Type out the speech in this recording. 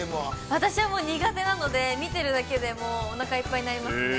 ◆私は苦手なので、見ているだけで、もう、おなかいっぱいになりますね。